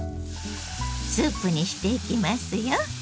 スープにしていきますよ。